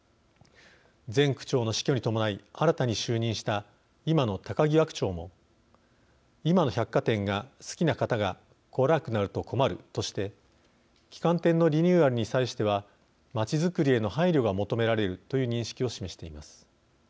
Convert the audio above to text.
前区長の死去に伴い新たに就任した今の高際区長も「今の百貨店が好きな方が来なくなると困る」として旗艦店のリニューアルに際しては街づくりへの配慮が求められるという認識を示しています。